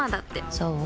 そう？